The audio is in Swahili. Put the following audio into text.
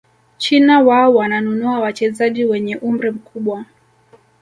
china wao wananunua wachezaji wenye umri mkubwa